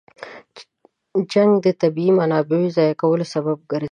جنګ د طبیعي منابعو ضایع کولو سبب ګرځي.